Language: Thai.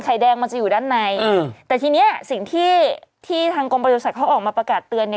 ไข่แดงมันจะอยู่ด้านในแต่ทีนี้สิ่งที่ทางกรมบริษัทเขาออกมาประกาศเตือน